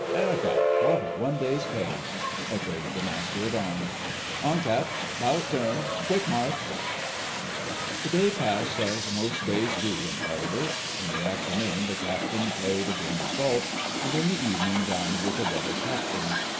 "'Air cut—forfeit one day's pay," echoed the Master at Arms. "Hon cap; 'bout turn, quick march!" The day passed as most days do in harbour. In the afternoon the Captain played a game of golf, and in the evening dined with a brother Captain.